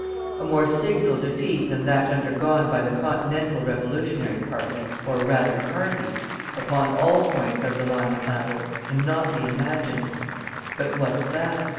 A more signal defeat than that undergone by the continental revolutionary party or rather parties upon all points of the line of battle, cannot be imagined. But what of that?